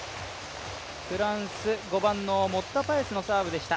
フランス、５番のモッタ・パエスのサーブでした。